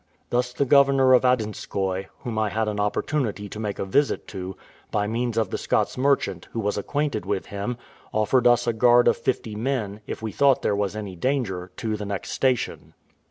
Thus the governor of Adinskoy, whom I had an opportunity to make a visit to, by means of the Scots merchant, who was acquainted with him, offered us a guard of fifty men, if we thought there was any danger, to the next station.